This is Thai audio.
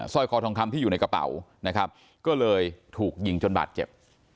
ร้อยคอทองคำที่อยู่ในกระเป๋านะครับก็เลยถูกยิงจนบาดเจ็บ